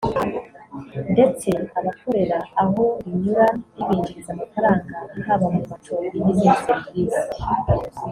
ndetse abakorera aho rinyura ribinjiriza amafaranga haba mu macumbi n’izindi serivisi